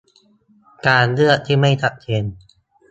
การเลือกที่ไม่ชัดเจน